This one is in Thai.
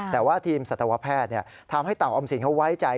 แต่ว่าทีมสัตวแพทย์ทำให้เต่าออมสินเขาไว้ใจ